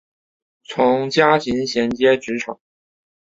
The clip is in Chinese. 从家庭衔接职场